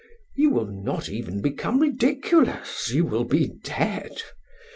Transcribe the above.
You will not even become ridiculous, you will be dead.